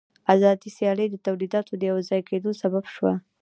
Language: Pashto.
آزاده سیالي د تولیداتو د یوځای کېدو سبب شوه